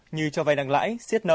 như cho vay đăng lãi xiết nợ